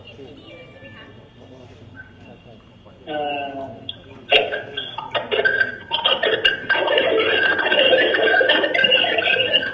ผมได้คุ้นไปที่ผู้หญิง